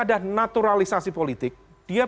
ada naturalisasi politik dia